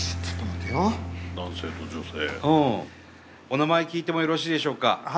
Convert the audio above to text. お名前聞いてもよろしいでしょうか。